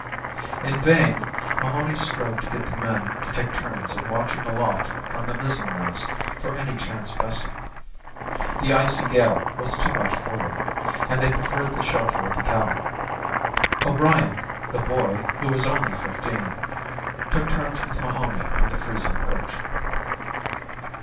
In vain Mahoney strove to get the men to take turns in watching aloft from the mizzenmast for any chance vessel. The icy gale was too much for them, and they preferred the shelter of the cabin. O'Brien, the boy, who was only fifteen, took turns with Mahoney on the freezing perch.